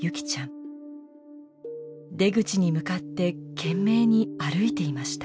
出口に向かって懸命に歩いていました。